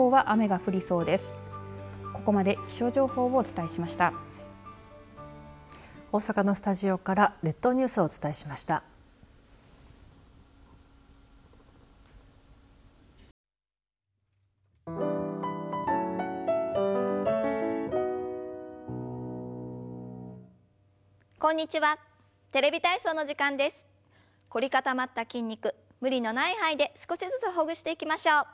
凝り固まった筋肉無理のない範囲で少しずつほぐしていきましょう。